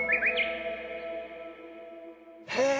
へえ。